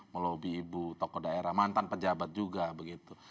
melobby ibu toko daerah mantan pejabat juga begitu